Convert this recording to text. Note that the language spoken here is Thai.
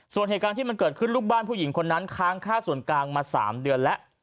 ส่วนเหตุการณ์ที่มันเกิดขึ้นลูกบ้านผู้หญิงคนนั้นค้างค่าส่วนกลางมา๓เดือนแล้ว